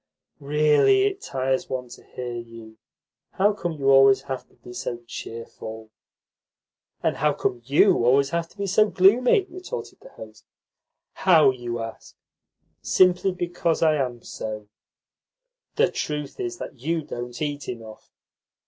"Really it tires one to hear you. How come you always to be so cheerful?" "And how come YOU always to be so gloomy?" retorted the host. "How, you ask? Simply because I am so." "The truth is you don't eat enough.